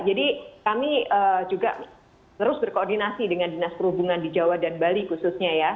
jadi kami juga terus berkoordinasi dengan dinas perhubungan di jawa dan bali khususnya ya